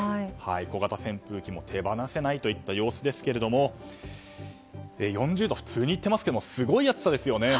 小型扇風機も手放せないといった様子ですけれども４０度、普通に言ってますがすごい暑さですよね。